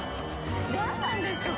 何なんですか？